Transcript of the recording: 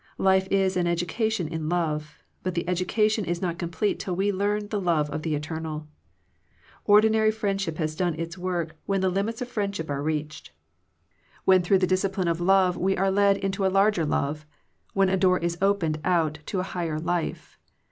Life is an education In love, but the education is not com plete till we learn the love of the eternal. Ordinary friendship has done its work when the limits of friendship are reached, 217 Digitized by VjOOQIC THE HIGHER FRIENDSHIP when through the discipline of love we are led into a larger love, when a door is opened out to a higher life.